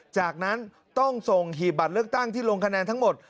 จากนั้นต้องส่งหีบบัตรเลือกตั้งที่ลงคะแนนทั้งหมด